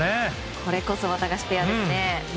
これこそワタガシペアですね。